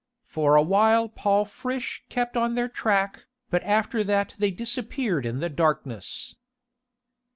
For awhile Paul Friche kept on their track, but after that they disappeared in the darkness."